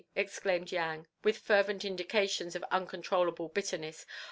exclaimed Yang, with fervent indications of uncontrollable bitterness.